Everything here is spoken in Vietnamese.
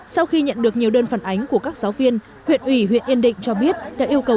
sau khi nhận được nhiều đơn phản ánh của các giáo viên huyện ủy huyện yên định cho biết đã yêu cầu